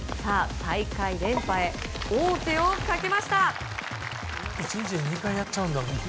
大会連覇へ王手をかけました。